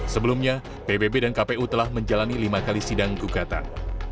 sebelumnya pbb dan kpu telah menjalani lima kali sidang gugatan